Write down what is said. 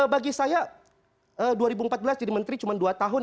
bagi saya dua ribu empat belas jadi menteri cuma dua tahun